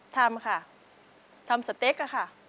ทำค่ะทำสเต็กอะค่ะ